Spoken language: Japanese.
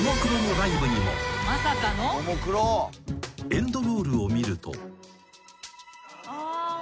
［エンドロールを見ると］